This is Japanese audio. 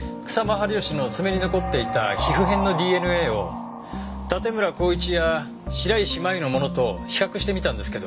治義の爪に残っていた皮膚片のＤＮＡを盾村孝一や白石麻由のものと比較してみたんですけど。